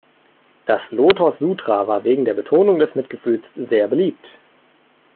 Das Lotos-Sutra war wegen der Betonung des Mitgefühls sehr beliebt.